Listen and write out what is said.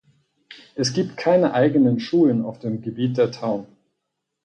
Es gibt keine eigenen Schulen auf dem Gebiet der Town.